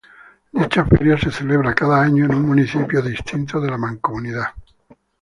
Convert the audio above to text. Dicha feria se celebra cada año en un municipio distinto de la mancomunidad.